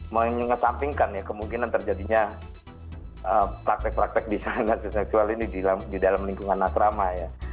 mengesampingkan ya kemungkinan terjadinya praktek praktek di sana nasi seksual ini di dalam lingkungan asrama ya